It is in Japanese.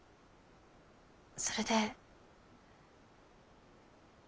それで。